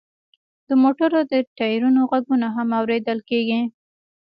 د موټرو د ټیرونو غږونه هم اوریدل کیږي